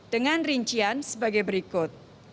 dengan rincian sebagai berikut